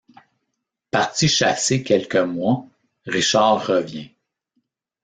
Parti chasser quelques mois, Richard revient.